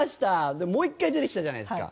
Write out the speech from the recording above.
でもう１回出てきたじゃないですか。